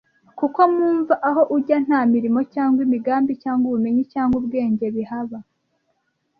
kuko mu mva aho ujya nta mirimo cyangwa imigambi cyangwa ubumenyi cyangwa ubwenge bihaba